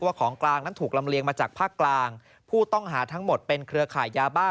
ของกลางนั้นถูกลำเลียงมาจากภาคกลางผู้ต้องหาทั้งหมดเป็นเครือข่ายยาบ้า